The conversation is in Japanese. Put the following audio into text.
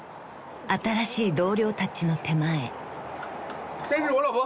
新しい同僚たちの手前］